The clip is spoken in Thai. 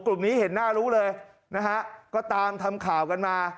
กลุ่มนี้เห็นหน้ารู้เลยนะฮะก็ตามทำข่าวกันมา